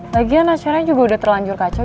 bagian acaranya juga udah terlanjur kacau